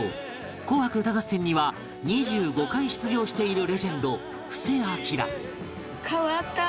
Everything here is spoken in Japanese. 『紅白歌合戦』には２５回出場しているレジェンド布施明